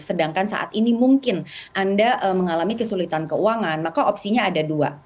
sedangkan saat ini mungkin anda mengalami kesulitan keuangan maka opsinya ada dua